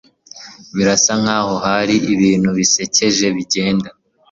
Birasa nkaho hari ibintu bisekeje bigenda.